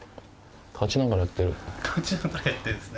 立ちながらやってるんですね。